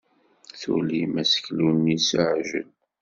Tulim aseklu-nni s uɛijel.